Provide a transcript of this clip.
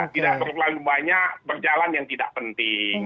tidak terlalu banyak berjalan yang tidak penting